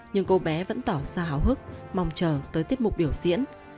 nhưng cô bé vẫn tỏ ra hào hức mong chờ tới tiết mục biểu diễn